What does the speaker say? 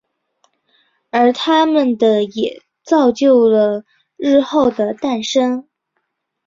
而他们的也造就了日后的诞生。